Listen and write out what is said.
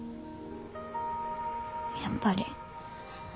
やっぱり。